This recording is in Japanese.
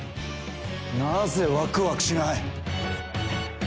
なぜワクワクしない！？